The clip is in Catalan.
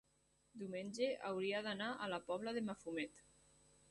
diumenge hauria d'anar a la Pobla de Mafumet.